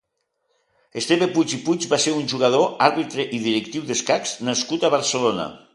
Esteve Puig i Puig va ser un jugador, àrbitre i directiu d'escacs nascut a Barcelona.